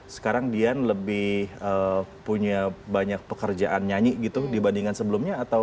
sekarang dian lebih punya banyak pekerjaan nyanyi gitu dibandingkan sebelumnya atau